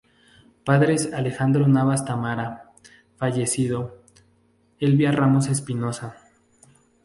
Padres Alejandro Navas Tamara, fallecido, Elvia Ramos Espinosa.